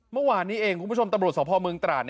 เมื่อวานนี้เองคุณผู้ชมทะบรุษสตราบรบภอปงตราช